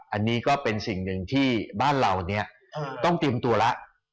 อันนี้ก็เป็นสิ่งหนึ่งที่บ้านเราเนี่ยต้องเตรียมตัวแล้ว